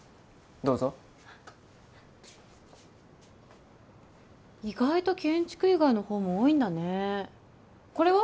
どうぞ意外と建築以外の本も多いんだねこれは？